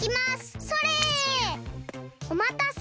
おまたせ！